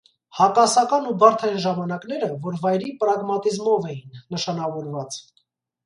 Հակասական ու բարդ այն ժամանակները, որ վայրի պրագմատիզմով էին նշանաւորուած։